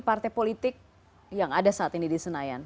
partai politik yang ada saat ini di senayan